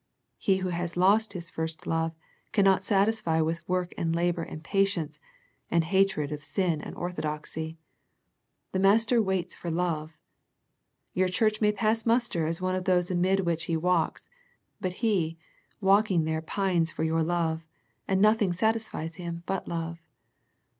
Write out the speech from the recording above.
He who has lost his first love cannot satisfy with work and labour and patience, and hatred of sin and orthodoxy. The Master waits for love. Your church may pass muster as one of those amid which He walks ; but He, walking there pines for your love, and nothing satisfies Him but love.